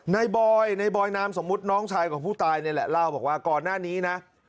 บอยในบอยนามสมมุติน้องชายของผู้ตายนี่แหละเล่าบอกว่าก่อนหน้านี้นะ